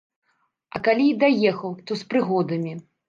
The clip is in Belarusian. А калі і даехаў, то з прыгодамі.